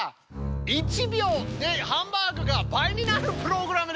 １秒でハンバーグが倍になるプログラムです！